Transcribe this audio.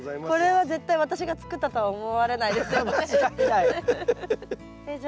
これは絶対私が作ったとは思われないですよね。